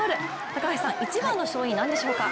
高橋さん、一番の勝因何でしょうか？